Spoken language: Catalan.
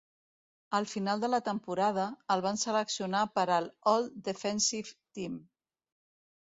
Al final de la temporada, el van seleccionar per al All-Defensive Team.